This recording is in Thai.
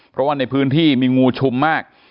เพราะว่าในพื้นที่มีงูชุมมาก